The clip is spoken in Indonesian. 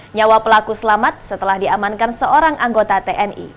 nyawa pelaku selamat setelah diamankan seorang anggota tni